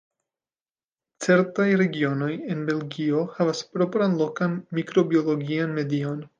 Certaj regionoj en Belgio havas propran, lokan mikrobiologian medion.